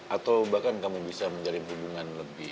atau bahkan kamu bisa menjaring hubungan lebih